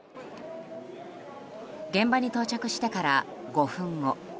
現場に到着してから５分後。